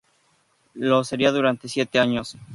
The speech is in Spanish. Lo sería durante siete años.